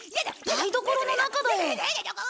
台所の中だよ。